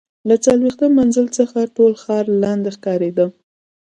له څلوېښتم منزل څخه ټول ښار لاندې ښکارېده.